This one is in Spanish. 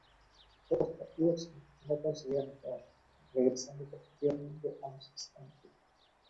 Jugó dos partidos en los que no consiguió anotar, regresando posteriormente a los Stampede.